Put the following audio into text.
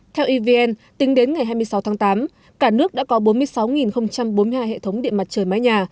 theo evn tính đến ngày hai mươi sáu tháng tám cả nước đã có bốn mươi sáu bốn mươi hai hệ thống điện mặt trời mái nhà